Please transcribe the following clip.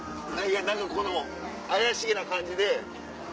何かこの怪しげな感じで。